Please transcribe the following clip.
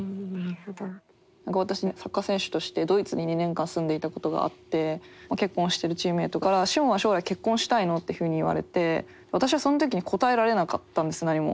私サッカー選手としてドイツに２年間住んでいたことがあって結婚をしてるチームメートから志帆は将来結婚したいの？っていうふうに言われて私はその時に答えられなかったんです何も。